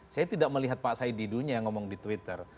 saya tidak melihat pak said didunya yang ngomong di twitter